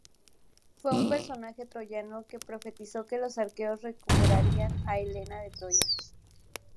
Fue un personaje troyano que profetizó que los aqueos recuperarían a Helena de Troya.